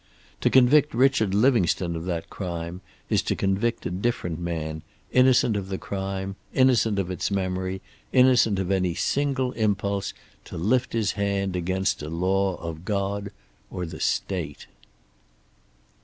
To convict Richard Livingstone of that crime is to convict a different man, innocent of the crime, innocent of its memory, innocent of any single impulse to lift his hand against a law of God or the state."